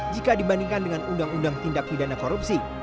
jika dibandingkan dengan undang undang tindak pidana korupsi